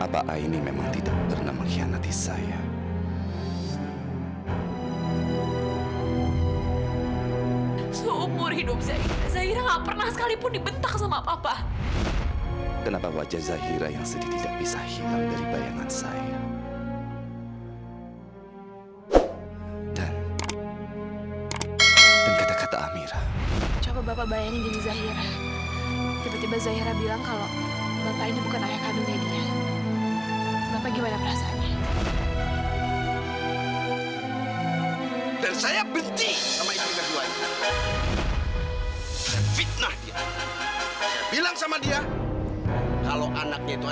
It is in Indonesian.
sampai jumpa di video selanjutnya